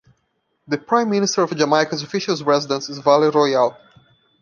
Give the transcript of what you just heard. The Prime Minister of Jamaica's official residence is Vale Royal.